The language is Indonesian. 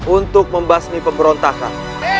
untuk membasmi pemberontakan